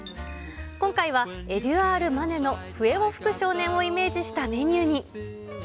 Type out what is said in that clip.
今回は、エドュアール・マネの笛を吹く少年をイメージしたメニューに。